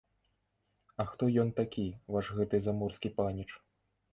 А хто ён такі, ваш гэты заморскі паніч?